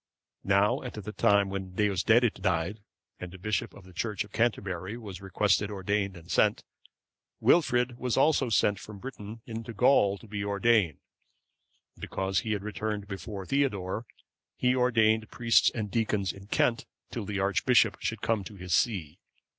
Now at the time when Deusdedit died, and a bishop for the church of Canterbury was by request ordained and sent, Wilfrid was also sent from Britain into Gaul to be ordained; and because he returned before Theodore, he ordained priests and deacons in Kent till the archbishop should come to his see.